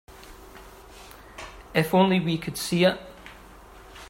If only we could see it.